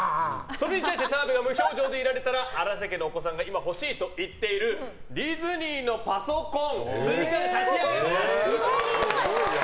それに対して、澤部が無表情でいられたら荒瀬家のお子さんが今、欲しいと言っているディズニーのパソコンを追加で差し上げます！